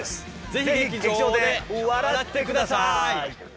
ぜひ劇場で笑ってください！